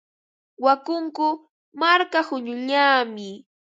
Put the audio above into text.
Wakunku marka quñullami.